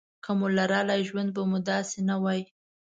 که مو لرلای ژوند به مو داسې نه وای.